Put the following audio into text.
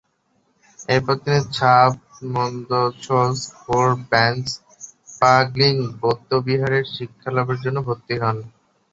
এরপর তিনি ছাব-ম্দো-ছোস-'খোর-ব্যাম্স-পা-গ্লিং বৌদ্ধবিহারে শিক্ষালাভের জন্য ভর্তি হন।